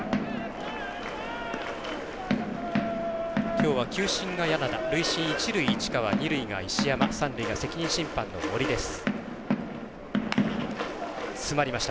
きょうは球審が柳田一塁が市川二塁が石山三塁が責任審判の森です。